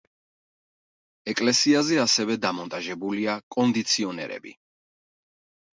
ეკლესიაზე ასევე დამონტაჟებულია კონდიციონერები.